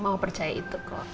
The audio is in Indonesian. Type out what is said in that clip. mau percaya itu kok